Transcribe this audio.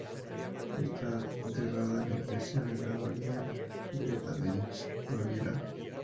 Está enterrado en la iglesia de la abadía de Andechs en Baviera.